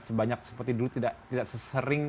sebanyak seperti dulu tidak sesering